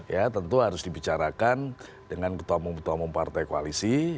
ya tentu harus dibicarakan dengan ketomong ketomong partai koalisi